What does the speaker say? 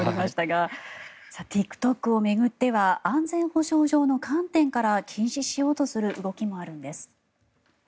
ＴｉｋＴｏｋを巡っては安全保障上の観点から禁止しようとする動きもあるんです。